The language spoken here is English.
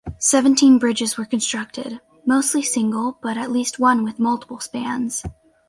Seventeen bridges were constructed; mostly single, but at least one with multiple spans.